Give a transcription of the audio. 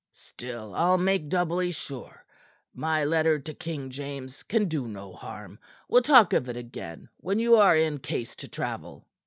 "Still, I'll make doubly sure. My letter to King James can do no harm. We'll talk of it again, when you are in case to travel."